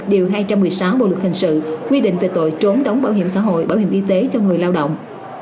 điều hai trăm một mươi sáu bộ luật hình sự quy định về tội trốn đóng bảo hiểm xã hội bảo hiểm y tế cho người lao động